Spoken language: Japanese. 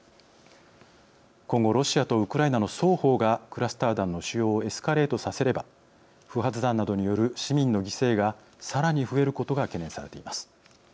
今後ロシアとウクライナの双方がクラスター弾の使用をエスカレートさせれば不発弾などによる市民の犠牲がさらに増えることが懸念されています。